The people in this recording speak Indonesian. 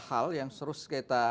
hal yang serius kita